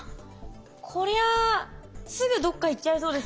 こりゃあすぐどっかいっちゃいそうですね。